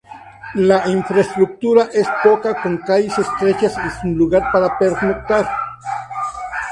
La infraestructura es poca con calles estrechas y sin lugar para pernoctar.